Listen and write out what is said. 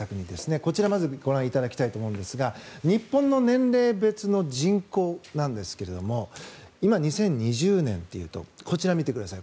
こちらまずご覧いただきたいと思うんですが日本の年齢別の人口ですが今、２０２０年とこちらを見てください。